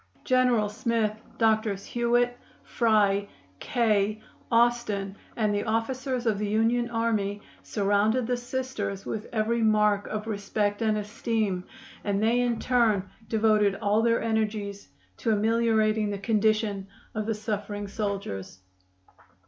General Smith, Doctors Hewit, Fry, Kay, Austin and the officers of the Union army surrounded the Sisters with every mark of respect and esteem, and they in turn devoted all their energies to ameliorating the condition of the suffering soldiers.